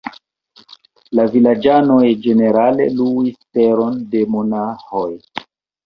La vilaĝanoj ĝenerale luis teron de la monaĥoj.